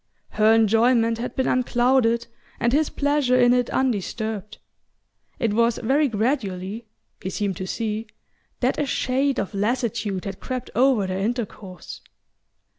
Her enjoyment had been unclouded and his pleasure in it undisturbed. It was very gradually he seemed to see that a shade of lassitude had crept over their intercourse.